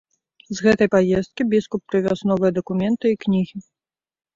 З гэтай паездкі біскуп прывёз новыя дакументы і кнігі.